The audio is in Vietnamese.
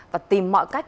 và tìm mọi cách